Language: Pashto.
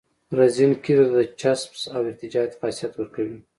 رزین قیرو ته د چسپش او ارتجاعیت خاصیت ورکوي